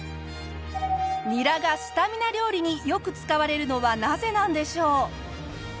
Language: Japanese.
ニラがスタミナ料理によく使われるのはなぜなんでしょう？